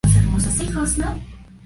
Es de uso exclusivamente peatonal.